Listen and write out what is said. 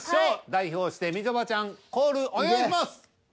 代表してみちょぱちゃんコールお願いします。